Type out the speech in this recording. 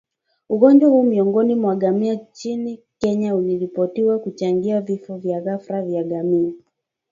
ugonjwa huu miongoni mwa ngamia nchini Kenya uliripotiwa kuchangia vifo vya ghafla vya ngamia